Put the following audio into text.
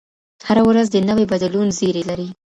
هره ورځ د نوي بدلون زېری لري